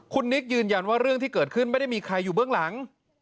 คุณนิกยืนยันว่าเรื่องที่เกิดขึ้นไม่ได้มีใครอยู่เบื้องหลัง